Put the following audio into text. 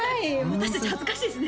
私達恥ずかしいですね